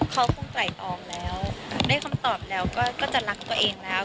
เขาคงไรตองแล้วได้คำตอบแล้วก็จะรักตัวเองแล้ว